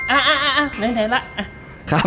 อ่าไหนครับ